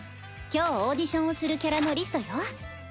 今日オーディションをするキャラのリストよ。